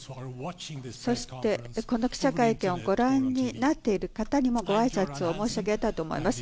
そしてこの記者会見を御覧になっている方にもご挨拶を申し上げたいと思います。